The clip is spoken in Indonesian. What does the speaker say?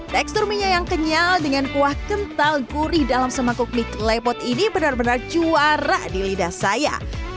tekstur mie nya yang kenyal dengan kuah kental gurih dalam semangkuk mie klepot ini benar benar juara di lidah saya